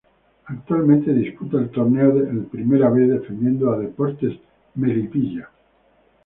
Actualmente disputa el torneo de Primera B defendiendo a Deportes Melipilla.